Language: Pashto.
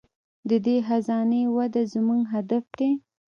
د دې خزانې وده زموږ هدف دی.